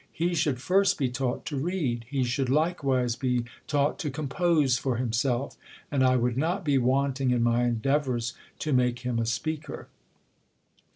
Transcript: He should first be taught to read. He should likewise be taught to compose for himself; and I v.ould not be Wanting in my endeavours to make him a speaker.